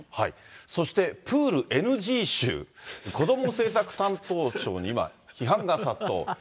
そしてプールＮＧ集、こども政策担当相に批判が殺到。